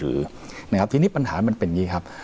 แล้วทีนี้ปัญหามันเป็นอย่างนี้ครับ